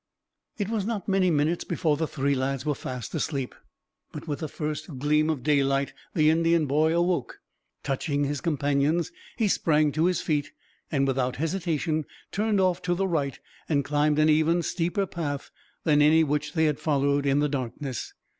It was not many minutes before the three lads were fast asleep, but with the first gleam of daylight the Indian boy awoke. Touching his companions, he sprang to his feet, and without hesitation turned off to the right, and climbed an even steeper path than any which they had followed in the darkness.